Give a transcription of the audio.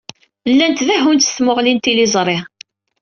Llan dehhun s tmuɣli n tliẓri.